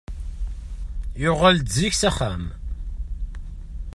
Yuɣal-d zik s axxam.